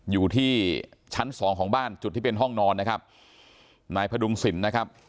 อยู่ที่ชั้นสองของบ้านจุดที่เป็นห้องนอนนะครับนายพดุงศิลป์นะครับ